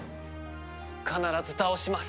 必ず倒します